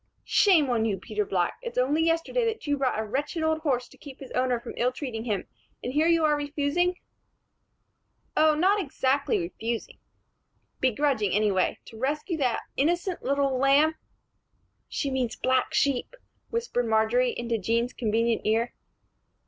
"Shame on you, Peter Black. It's only yesterday that you bought a wretched old horse to keep his owner from ill treating him; and here you are refusing " "Oh, not exactly refusing " "Begrudging, anyway, to rescue that innocent lamb " "She means black sheep," whispered Marjory, into Jean's convenient ear.